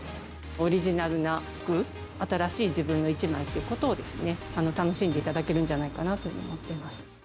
オリジナルな服、新しい自分の一枚ということを楽しんでいただけるんじゃないかなと思っています。